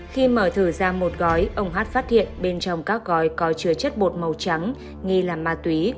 khi mở thử ra một gói ông hát phát hiện bên trong các gói có chứa chất bột màu trắng nghi là ma túy